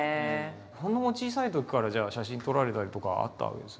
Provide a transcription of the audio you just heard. そのお小さいときからじゃあ写真撮られたりとかあったわけですね。